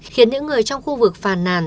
khiến những người trong khu vực phàn nàn